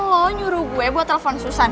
lo nyuruh gue buat telepon susan